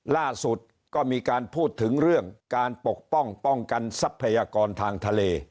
ล่าสุดก็มีการพูดถึงเรื่องการปกป้องป้องกันทรัพยากรทางทะเล